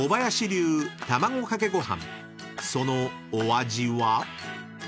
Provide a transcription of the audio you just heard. ［そのお味は？］